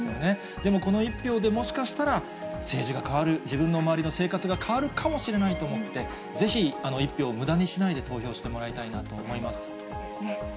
でもこの１票でもしかしたら政治が変わる、自分の周りの生活が変わるかもしれないと思って、ぜひ１票をむだにしないで投票してもらいたいなと思います。